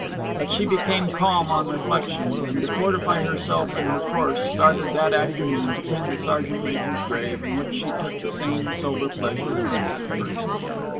But she became calm on reflection, and to fortify herself in her course started that afternoon to tend the sergeant major's grave, in which she took the same sober pleasure as at first.